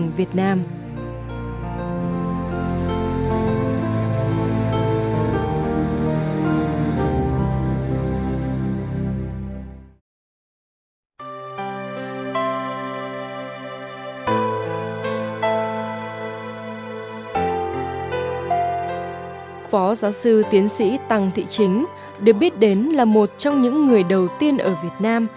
giáo sư tiến sĩ tăng thị chính được biết đến là một trong những người đầu tiên ở việt nam